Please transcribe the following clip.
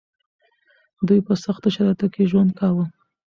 دوی په سختو شرايطو کې ژوند کاوه.